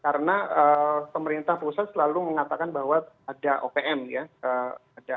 karena pemerintah pusat selalu mengatakan bahwa ada opm ya